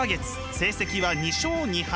成績は２勝２敗。